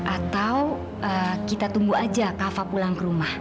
atau kita tunggu aja kafa pulang ke rumah